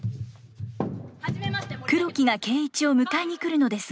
黒木が圭一を迎えに来るのですが。